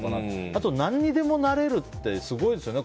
あと、何にでもなれるってすごいですよね。